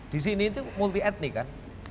disini tuh multi etnik kan